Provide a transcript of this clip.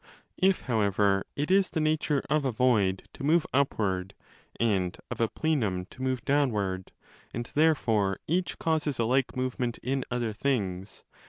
If, however, it is the nature of a void to move upward and of a plenum to move downward, and therefore each causes a like movement in other things